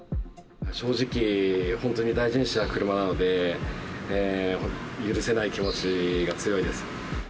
正直、本当に大事にしていた車なので、許せない気持ちが強いです。